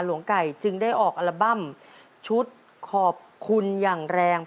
หลวงไก่จึงได้ออกอัลบั้มชุดขอบคุณอย่างแรง